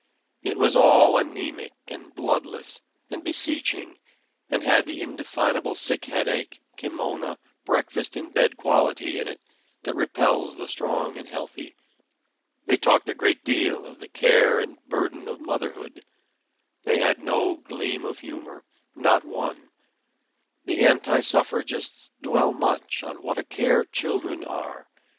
It was all anemic and bloodless, and beseeching, and had the indefinable sick headache, kimona, breakfast in bed quality in it, that repels the strong and healthy. They talked a great deal of the care and burden of motherhood. They had no gleam of humor not one. The anti suffragists dwell much on what a care children are.